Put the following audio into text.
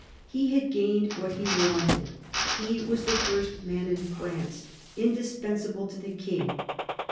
He had gained what he wanted ; he was the first man in France, indispensable to the King.